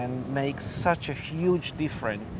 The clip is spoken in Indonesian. bisa membuat perbedaan yang besar